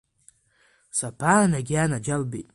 Сабаанагеи, анаџьалбеит!